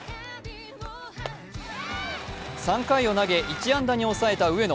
３回を投げ、１安打に抑えた上野。